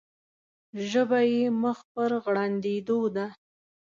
ژبه یې مخ پر غړندېدو ده.